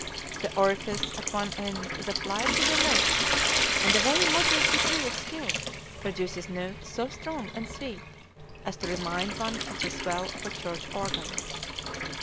The orifice at one end is applied to the lips, and a very moderate degree of skill produces notes so strong and sweet as to remind one of the swell of a church organ.